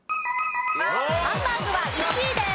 ハンバーグは１位です。